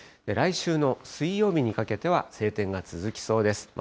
来週の水曜日にかけては晴天が続きそうです。